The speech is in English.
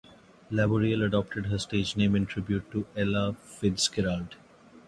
Laboriel adopted her stage name in tribute to Ella Fitzgerald.